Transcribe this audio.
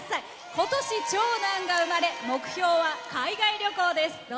今年、長男が生まれ目標は家族で海外旅行です。